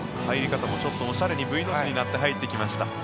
入り方もちょっとおしゃれにＶの字になってきました。